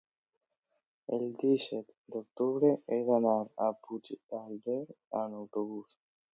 el disset d'octubre he d'anar a Puigdàlber amb autobús.